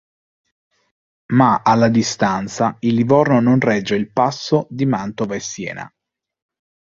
Ma alla distanza il Livorno non regge il passo di Mantova e Siena.